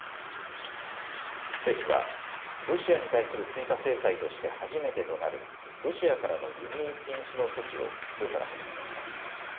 政府はロシアに対する追加制裁として初めてとなるロシアからの輸入禁止の措置をきょうから始めました。